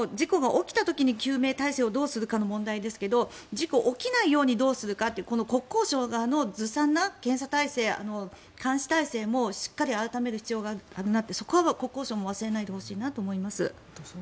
これは事故が起きた時に救命体制をどうするかの問題ですが事故を起こさないようにどうするかという国交省側の検査体制、監視体制も改める必要があって国交省も忘れないでほしいと思います。